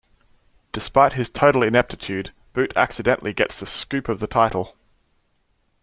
Despite his total ineptitude, Boot accidentally gets the "scoop" of the title.